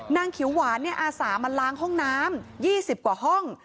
นางเขียวหวานอาสามาล้างห้องน้ำ๒๐กว่าห้อง